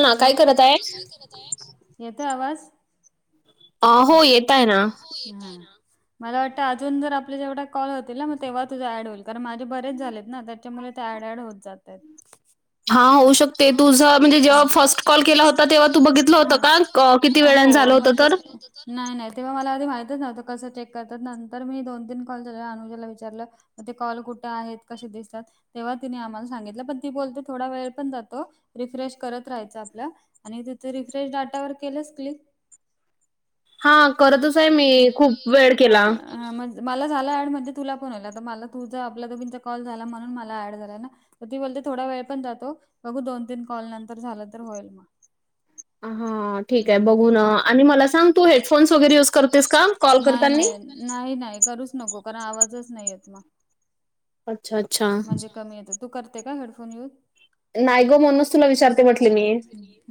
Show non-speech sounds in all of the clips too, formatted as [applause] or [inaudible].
ना हॅलो काय करत आहे येतोय आवाज? आहो येत आहे ना. हां. मला वाटतं अजून जर आपले जेवढा कॉल होतील ना मग तेव्हा तुझं ऍड होईल कारण माझे बरेच झालेत ना त्या च्यामुळे ते ऍड ऍड होत जातात. हा होऊ शक ते तुझं म्हणजे जेव्हा फर्स्ट कॉल केला होता तेव्हा तू बघितलं होतं का अ किती वेळान झालं होतं तर नाय-नायतेव्हा मला आधी माहितच नव्हतं कसं चेक करतात नंतर मी दोन तीन कॉल झाला अनुजाला विचारलं म ते कॉल कुठे आहेत कशे दिसतात तेव्हा तिने आम्हाला सांगितलं पण ती बोलते थोडा वेळ पण जा तो रिफ्रेश करत राहायचं आपल्या आणि तिथे रिफ्रेश डाटावर केलच क्लिक हा करतच आहे मी खूप वेळ केला. प्रयत्न हा मज मला झाला ॲड म्हणजे तुला पण होईल आता मला तुझा आपला दोघींचा कॉल झाला म्हणून मला ॲड झाला ना. ती बोलते थोडा वेळ पण जातो बघू दोन-तीन कॉल नंतर झालं तर होईल. हा ठीक आहे हम्म बघून आणि मला सांग तू हेडफोन्स वगैरे युज करतेस का कॉल ठीक करतांनी? आहे नाही नाही करूच नको कारण आवाजच नाही येत म. अच्छा अच्छा. कमी येत तू करते का हेडफोन यूज. नायगो म्हणूनच तुला विचारते म्हटले मी.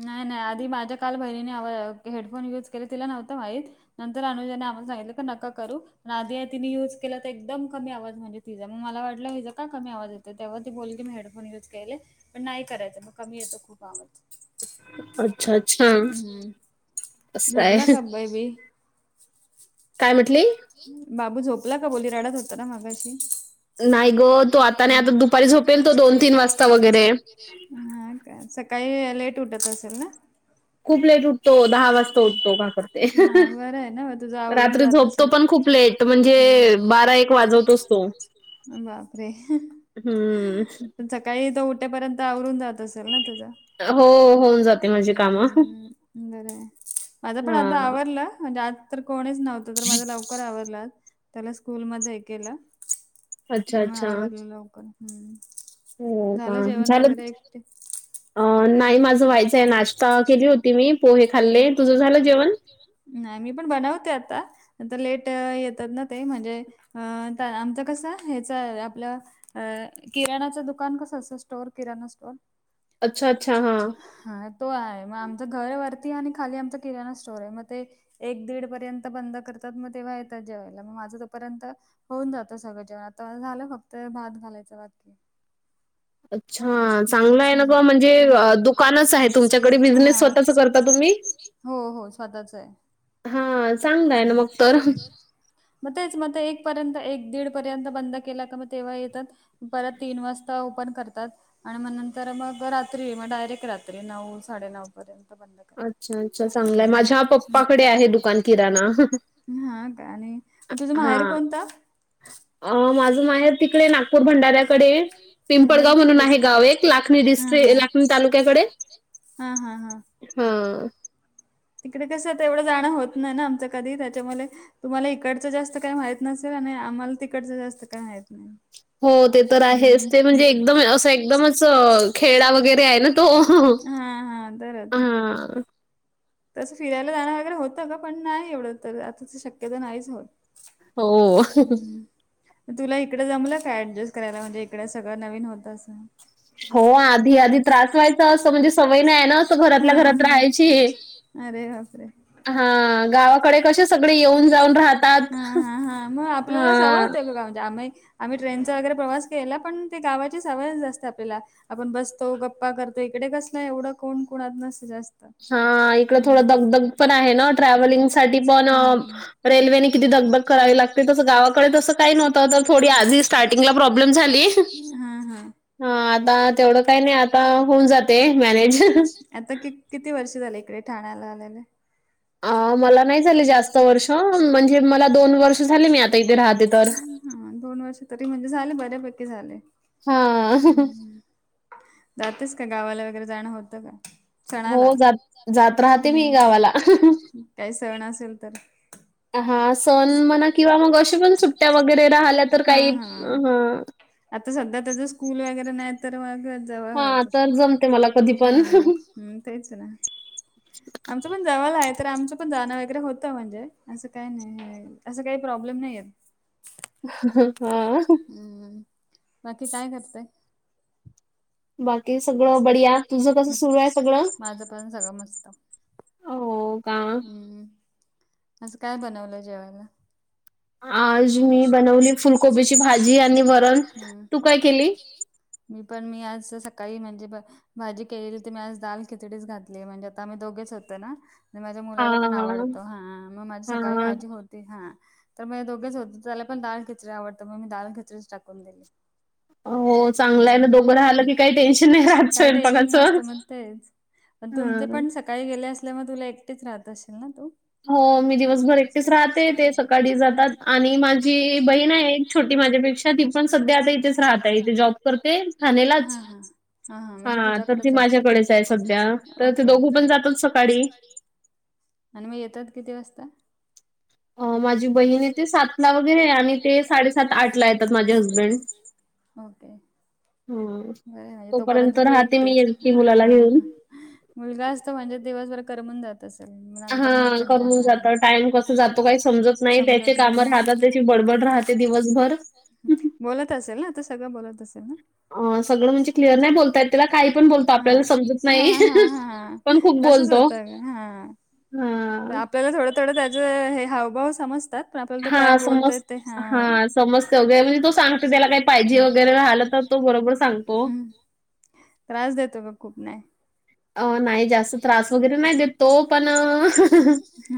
नाही नाही आधी माझ्या काल बहिणीने आव हेडफोन यूज केले तिला नव्हतं माहीत. नंतर अनुजनी आम्हाला सांगितलं तर नका करू. नादिया तिने युज केला तर एकदम कमी आवाज म्हणजे तिचा मग मला वाटला हीज. का कमी आवाज येतो तेव्हाी बोल की मी हेडफोन युज केले पण नाही करायं म कमी येतो खूप आवाज. अच्छा अच्छा हम्म असय. झोपला का बेबी काय म्हटली. बाबू झोपला का बोलीराडत होता ना मागाशी. नाही ग तो आता नाही आता दुपारी झोपेल तो दोन तीन वाजता. वगैरे हा का सकाळी लेट उठत असेल ना. खूपलेट उठतं. तो दहा वाजता उठतो पापड ते हा बरं आहे ना मग तुझं आवरून रात्री जात झोपतो असेल. पण खूप लेट. तर म्हणजे बारा हा एक वाजवत अस तो बापरे! हम्म. पण सकाळी तो उठेपर्यंत आवरून जात असेल ना तुझं. हो होऊन जाते माझी कामं. हम्म, बरं हाय माझं पण आता हां. आवरलं म्हणजे आज तर कोणीच नव्हतं तर माझा लाव''--'' लकर आवला त्याला स्कूल मध्ये हे केलं. अच्छा, आ मग अच्छा. आवडलं लवकर हम्म. हो झालं काम जेवण झालं वगैरे एकटे नाही माझं व्हायचंय नाश्ता केली होती मी पोहे खाल्ले तुझं झालं जेवण. नाही मी पण बनवते आता. आता लेट येतात ना ते म्हणजे अ आता आमचं कसं ह्याच आपलं. अ किराणाचं दुकान कसं असं स्टोर किराणा स्टोअर. अच्छा अच्छा हा. हा तो आहे मग आमचं घर वरती आणि खाली आमचा किराणा स्टोअर आहे मग ते. एक दीड पर्यंत बंद करतात मग तेव्हा येतात जेवायला मग माझं तो पर्यंत. होऊन जातं सगळं जेवण आता माझं झालंय फक्त भात घालायचं बाकी. ना ग म्हणजे [inaudible] दुकानच आहे तुमच्या बिझनेस स्वतःच करता तुम्ही हो हो स्वतःच आहे. हा चांगलाय ना मग तर. मग तेच मग एक पर्यंत एक दीड पर्यंत बंद केला का मग तेव्हा येतात. परत तीन वाजता ओपन करतात. आणि मग नंतर मग रात्री मग डायरेक्ट रात्री नऊ साडेनऊ पर्यंत बंद करतात. अच्छा अच्छा चांगलाय माझ्या हम्म पप्पाकडे आहे दुकान किराणा. हा का आणि मग तुझं माहेर हां. कोणतं? अ माझं माहेर तिकडे नागपूर भंडाऱ्याकडे. हा म्हणजे पिंपळगाव म्हणून तिकडेच आहे काय गाव एक लाखणी हा हा डिस्ट्रिक लाखणी तालुक्याकडे. हा हा हा, हा, तिकडे कसं तेवढं जाणं होत नाही ना आमचं कधी त्याच्यामुळे. तुम्हांला इकडचं जास्त काय माहित नसेल आणि आम्हाला तिकडचं जास्त काय माहित नाही. हो ते तर आहेच हम्म. ते म्हणजे एकदम असं एकदमच अ खेडा वगैरे आहे ना तो. हा हा तरच. हा तसं फिरायला जाणं वगैरे होतं गं पण नाही एवढं तर आता शक्य तर नाहीच होत. हो, हम्म [inaudible] तुला इकडं जमलं का ऍडजस्ट करायला म्हणजे इकडें सगळं नवीन होतं असं. हो आधी आधी त्रास व्हायचा असं म्हणजे सवय नाही आहे ना असं हा घरातल्या घरात हा राहायची. अरे बापरे. हा गावाकडे कसे सगळे येऊन जाऊन राहत. हा हा हा मग आपल्याला सवय होते गं त्यामुळे. आम्ही ट्रेनचा वगैरे प्रवास केला पण ते गावाची सवयच असते आपल्याला. आपण बसतो गप्पा करतो इकडे कसला एवढं कोण कोणात नसतं जास्त. हा इकड थोडं हम्म दगदग पण आहे ना ट्रॅव्हलिंग साठी पण हम्म रेल्वेने किती दगदग करावी लागते तसं गावाकडे तसं. काही नव्हतं तर थोडी आधी स्टार्टिंगला प्रॉब्लेम झाली ह हा हा आता तेवढ. काही नाही आता होऊन जाते मॅनेज. आता कि किती वर्ष झाले इकडे ठाण्याला आलेले. अ मला नाही झाले जास्त वर्ष म्हणजे मला दोन वर्ष झाले मी आता इथे राहते. तर. हा दोन वर्ष तरी म्हणजे झाले बऱ्यापैकी झाले. हा जातेस का गावाला वगैरे जाणं होतं का? सणाला हो जात जात राहते मी ह गावाला. काही सण असेल तर. हा सण म्हणा किंवा मग अशी पण सुट्ट्या वगैरे राहिल्या तर काही हा. आता सध्या त्याच स्कूल वगैरे नाही तर मग जाव हा हत तर जमते मला कधी पण हा. ''हं ''तेच ना आमचं पण जवल आहे तर आमचं पण जाणं वगैरे होतं म्हणजे असं काय नाहीय. असं काही प्रॉब्लेम नाही येत. हा, बाकी काय करताय? बाकी सगळं बढिया तुझं कसं सुरू आहे सगळं माझं पण सगळं मस्त. हो का. हूं असं काय बनवलं जेवायला? आज मी बनवली फुलकोबीची भाजी आणि वरण हम्म. तू काय केली. मी पण मी आज सकाळी म्हणजे ब ''--'' भाजी केली तर मी आज दाल खिचडीच घातली म्हणजे आता आम्ही दोघेच होते ना. माझ्या हा मुलाला पण आवडतो हा मग माझी सकाळी हा भाजी हो''--'' ती हा तर मग दोघेच हो त्याला पण दाल खिचरी आवडत मग मी दाल खिचरीच टाकून दिली. हो चांगलं आहे ना दोघं राहिलं की काही टेन्शन नाही राहत काय टेन्शन स्वयंपाकाचं नसतं मग तेच. म तुमचे हा पण सकाळी गेले असल्यामुळे तुला एकटेच राहत असेल ना तू. हो मी दिवसभर एकटीच राहते ते सकाळी जातात आणि माझी बहीण आहे. छोटी माझ्यापेक्षाी ती पण सध्या इथेच. राहत तेे जॉब करते हा ठाणेलाच हा हा म्हणजे हा तर ती तुझ्याकडेच असते का माझ्याकडेच आहे सध्या. तर ते ओके दोघू ओके पण जातच सकाळी. आणि मग येतात किती वाजता. ह माझ्या. माझी बहिण ते सात ला वगैरे आणि ते साडेसात आठ ला येतात माझे मिस्टर. हम्म. होय होय तोपर्यंत तू राहते मी एकटीच एकटी हा मुलाला घेऊन. हा. मुलगा असत म्हणजे दिवसभर करमून जात. असेल मग हा नंतर मग कंटाळ करून जात हा टाइम कस जातो काही समजत नाय त्याचे समजत काम नाही मग राहतात त्याची बडबड राह ते दिवसभर. बोलत असेल ना आता सगळं बोलत असेल ना? अ -सगळ म्हणजे क्लिअर नाय बोलता येत त्याला काय पण बोलतो हा आपल्याला समजत हा नाय. हा हा पण खूप तसच बोलतो होत ग हा. हा. आपल्याला थोडं थोडं त्याचं हे हावभाव समजतात. पण आपल्याला तो हा काय समज बोलतोय ते हा समजत म्हणजे तो सांगते त्याला काय पाहिजे हम्म. वगैरे राहल तर तो बरोबर सांगतो. हम्म. त्रास देतो का खूप नाय? अ -नाय जास्त त्रास वगैरे नाय देत तो पण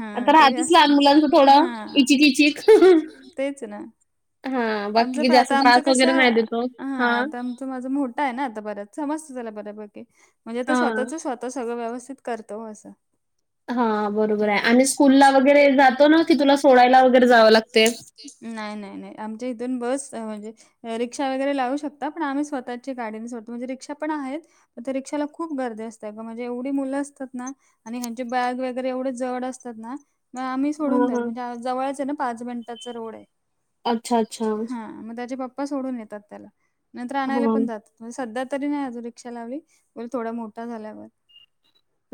हा तरी राहतीच असत लहान मुलांच थोडं हा इचिक इचिक. तेच ना हां, आमचं बाकी पन जास्त आता त्रास आमचं कसं वगैरे नाही देत तो. हा हां, आता तो माझा मोठा आहे ना बराच समजत त्याला बऱ्यापैकी म्हणजे तो हां. स्वतःच स्वत तो सगळं व्यवस्थित करतो असं. हा बरोबरय आणि स्कूलला वगैरे जातो ना की तुला सोडायला वगैरे जावं लागतय? नाय नाय नाय आमच्या इथून बस म्हणजे रिक्षा वगैरे लावू शकता पण आम्ही स्वतःची गाडीने सोडतो म्हणजे रिक्षा पण आहेत. पण त्या रिक्षाला खूप गर्दी असतेय ग म्हणजे एवढी मुलं असतात ना आणि ह्यांची बॅग व गैरे एवढे जड असतात ना तर आम्ही सोडून हां, देतो हां. म्हणजे जवळच आहे ना पाच मिन टाच रोड आहे अच्छा, अच्छा. हा मग त्याचे पप्पा सोडून येतात त्याला. नंतर आणायला हां. पण जातात सध्या तरी नाय अजून रिक्षा लावली बोल थोडा मोठा झाल्यावर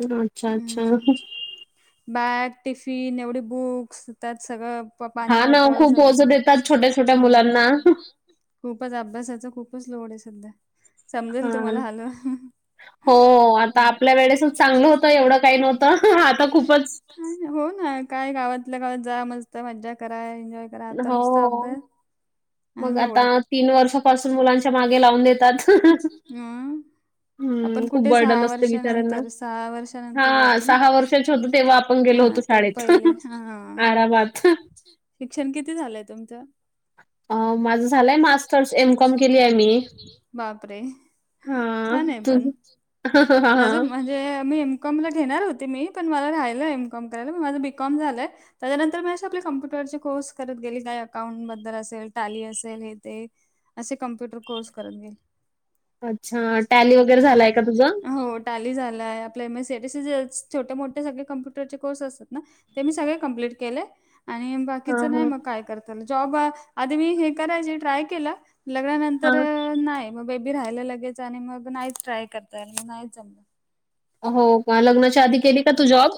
अच्छा अच्छा. हम्म. बॅग टिफिन एवढी बुक्स त्यात सगळं पानी हां ना, बॉटल खूप सगळ ओझं ह देतात छोट्या-छोट्या हा मुलांना. खूपच अभ्यासाच खूपच लोड आहे सध्या समजेल हां. तुम्हाला. हो आता आपल्या वेळेसच चांगलं होतं एवढं काही नव्हतं आता खूपच हो ना काय गावातल्या गावात जा मस्त मज्जा करा एन्जॉय खर आता नुसतं हो. अभ्यास आणि लोड, आता तीन वर्षापासून मुलांच्या मागे लावून देतात. आपण हं, खूप कुठे बर्डन सहा असते बिचाऱ्यांना. वर्षानंतर सहा वर्षानंतर हां, जायचो ना? वर्षाचे होतो तेव्हा आपण गेलो हा होतो तेव्हा शाळेत. पहिले हा. आरामात. शिक्षण किती झालंय तुमचं? अ माझं माझ झालंय मास्टर्स एम कॉम केलीया मी. बापरे हां, छानाय पण तुझं? माझं हां. म्हणजे मी बी कॉमला घेणार होती मी पण मला राहिलयं एम कॉम करायला माझं बीकॉम झालयं. त्याच्यानंतर मी अशे आपले कम्प्युटरचे कोर्स करत गेली काय अकाउंट बद्दल असेल टॅली असेल हे ते असे कम्प्युटर कोर्स करत गेले. अच्छा टॅली वगैरे झालाय का तुझं? हो टॅली झालाय आपल्या M S C A T C चे छोटे मोठे सगळे कम्प्युटरचे कोर्स असतात ना ते मी सगळे कम्प्लीट केलयं. आणि हां, बाकीचं नाही हां. मग काय करता आलं जॉब अ आधी मी हे करायची ट्राय केलं. लग्नानंतर हां. नाय म बेबी राहायलं लगेच आणि मग नायच ट्राय करता आलं नाहीच जमलं. हो का लग्नाच्या आधी केली का तू जॉब?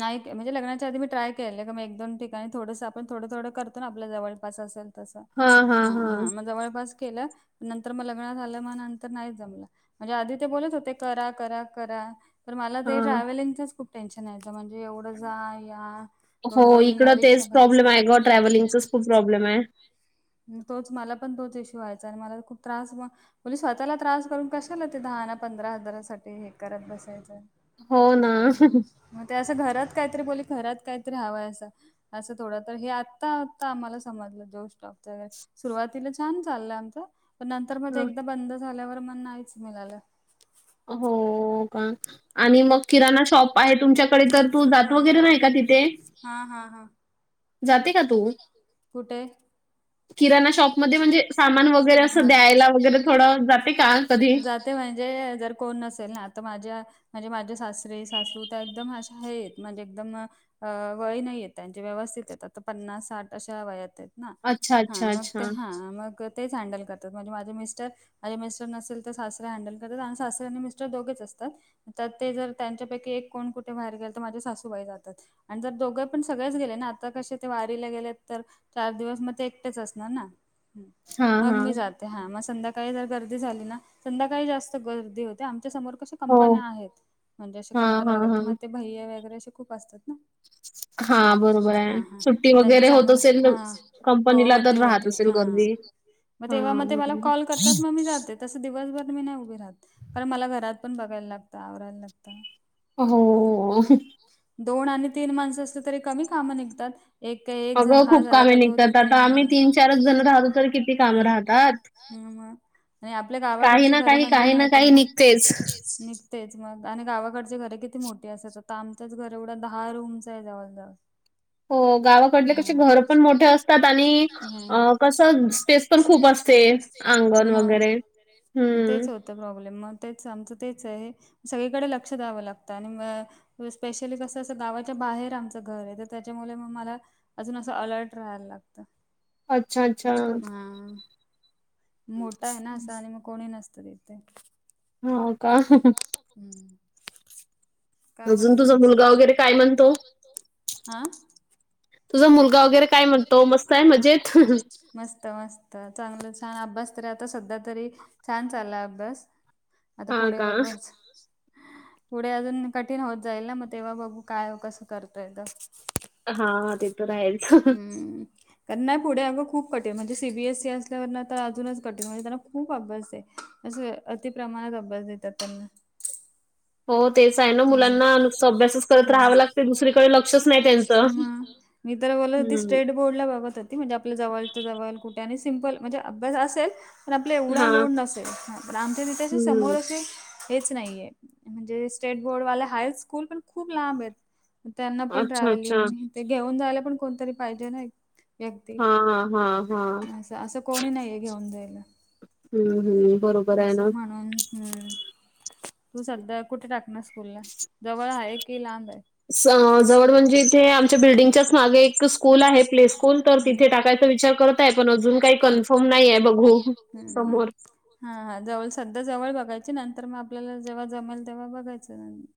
नाही ते, म्हणजे लग्नाच्या आधी मी ट्राय केलंय, का मग एक दोन ठिकाणी थोडंसं आपण, थोडं थोडं करतो ना आपल्या जवळपास अस तस, हां, हां, हा हा, हां. मग जवळपास केलं, नंतर म लग्न झालं, मग नंतर नाहीच जमलं. म्हणजे, आधी ते बोलत होते, करा, करा, करा, तर मला ते हां. ट्रॅव्हलिंगचच खूप टेन्शन यायचं, म्हणजे एवढं जा, या, हो, दोन दोन इकडं रिक्ष तेच प्रॉब्लेम आहे गं [inaudible] ट्रॅव्हलिंगचाच खूप प्रॉब्लेम हाय. तोच मला पण तोच इश्यू व्हायचा, आणि मला खूप त्रास म्हणजे स्वतःला त्रास करून, कशाला ते दहा ना पंधरा हजारासाठी हे करत बसायचं. हो ना. म ते असं घरात काहीतरी बोली घरात काहीतरी हवंय असं असं थोडं तर, हे आत्ता आत्ता आम्हाला समजलं जोश टॉक सुरुवातीला छान चाललं आमचं, पण नंतर हां. मध्ये एकदा बंद झाल्यावर म नाहीच मिळालं. हो का. आणि मग किराणा शॉप आहे तुमच्याकडे, तर तू जात वगैरे नाही का तिथे? हा हा हा. जाते का तू? कुठे? किराणा शॉपमध्ये म्हणजे, सामान वगैरे असं हा. द्यायला, वगैरे थोडं जाते का कधी ते म्हणजे, जर कोण नसेल ना आता माझ्या म्हणजे माझे सासरे, सासू, त्या एकदम अशा हे आहेत, म्हणजे एकदम अ वयं नाही येत त्यांची व्यवस्थित हायत त्या, आता पन्नास साठ अशा वयात आहेत ना, अच्छा, हा अच्छा, म अच्छा. हा, मंग तेच हँडल करतात, म्हणजे माझे मिस्टर माझे मिस्टर नसेल तर सासरे हँडल करतात, आणि सासरे आणि मिस्टर दोघेच असतात. त्यात तर ते जर त्यांच्यापैकी एक कोण कुठे बाहेर गेल तर, माझ्या सासूबाई जातात. आणि जर दोघं पण सगळेच गेले ना, आता कशे ते वारीला गेले तर, चार दिवस म ते एकटेच अस ना, हं हां, मग मी हां. जात हा, म संध्याकाळी जर गर्दी झाली ना, संध्याकाळी जास्त गर्दी होते, आमच्या समोर कसं हो. कंपन्या आहेत, म्हणजे अश्या हां, कंपन्या हां, वगैरे, हां. तुम्हाला ते भैया वगैरे अशे खूप असतात ना. हम्, हां, बरोबर हा आहे. हा, सुट्टी मग त्यांचे वगैरे होत सामान असेल तर हा, हो कंपनीला हो ते तर राहत होते, असेल हा. गर्दी. मग तेव्हा मग हां, ते मला बरोबर. कॉल करतात मग मी जाते. तसं दिवसभर मी नाही उभी राहत, कारण मला घरात पण बघायला लागतं, आवरायला लागत. हो. दोन आणि तीन माणसं असली तरी कमी कामं निघतात. एक क एक झाला, हा झाला का, तो तिथे ह चारच जण राहतो, तर किती काम राहतात. हम्म! आणि आपल्या काही गावाकडचे ना घर काही, म्हणजे काही माहिती काही आहे ना, निघतेच. निघते निघतेच, मग आणि गावाकडची घर किती मोठी असतात, तर आमचंच घर एवढं दहा रूमच आहे जवळ जवळ. हो, गावाकडले कशी घरं पण मोठे असतात, आणि कसं स्पे पण खूप असते, अंगण हम्म वगैरे, मग हम्म. तेच होतं प्रॉब्लेम, मग तेच आमचं तेच आहे, सगळीकडे लक्ष द्यावं लागतं, आणि म स्पेशली कसं असं गावाच्या बाहेर आमचं घर आहे, तर त्याच्यामुळे म मला, अजून असं अलर्ट राहायला लागत. अच्छा, अच्छा. हा, मोठं आहे ना असं, आणि मग कोणी नसतं तिथे. ते हो का? हम्म. काय बोलता अजून तुझा मुलगा वगैरे काय म्हणतो हां तुझा मुलगा वगैरे काय म्हणतो मस्त आहे मजेत? मस्त मस्त चांगला छान अभ्यास तरी आता सध्या तरी छान चाललाय अभ्यास, आता हां पुढे का? बघूच. पुढे अजून कठीण होत जाईल ना मग तेव्हा बघू काय कसं करता येतं. हा हा ते तर आहेच. हम्म! कारण नाही पुढे अगं खूप कठीण म्हणजे सी बी एस सी असल्यावर ना तर अजूनच कठीण म्हणजे त्यांना खूप अभ्यास आहे. अस अतिप्रमाणात अभ्यास देतात त्यांना. हो तेच आहे ना मुलांना नुसतं अभ्यासच करत राहावं लागतंय दुसरीकडे लक्षच नाही त्यांचं. मग मी तर बोलत होती हं. स्टेट बोर्डला बघत होती म्हणजे आपल्या जवळच्याजवल, कुठं आणि सिंपल म्हणजे अभ्यास असेल पण आपला एवढा हां. लोड नसेल, ह पण आमच्या तिथे असे समोर हं. असे हेच नाही आहे म्हणजे स्टेट बोर्डवाले हाय स्कूल पण खूप लांब आहेत त्यांना पण अच्छा, अच्छा. ट्रॅव्हलिंग ते घेऊन जायला पण कोणतरी पाहिजे नाही. व्यक्ती हां, हां, हां. असं असं कोणी नाहीये घेऊन जायला हम्म हम्म बरोबर आहे असं ना. म्हणून हम्म, तु सध्या कुठे टाकणार स्कूलला? जवळ आहे की लांब हाय? स जवड म्हणजे इथे आमच्या बिल्डिंगच्याच मागे एक स्कूल आहे प्ले स्कूल तर तिथे टाकायचा विचार करत आहे पण अजून काही कन्फर्म नाहीय बघू समोर. हम्म हा हा जवळ सध्या जवळ बघायची, नंतर मग आपल्याला जेव्हा जमेल तेव्हा बघायचं नं